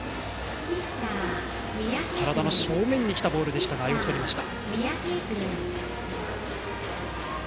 体の正面に来たボールでしたがよくとりました。